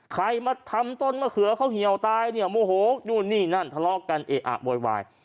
ใครมาทำต้นมะเขือเขาเหี่ยวตายเนี่ยโมโหนู่นนี่นั่นทะเลาะกันเออะโวยวาย